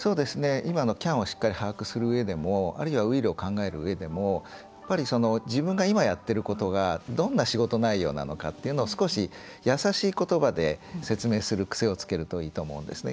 今の「ＣＡＮ」をしっかり把握することでも「ＷＩＬＬ」を考えるうえでも自分が今やってることがどんな仕事内容なのかということを少し易しい言葉で説明する癖をつけるといいと思うんですね。